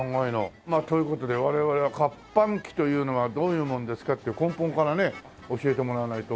まあという事で我々は活版機というのはどういうもんですかっていう根本からね教えてもらわないと。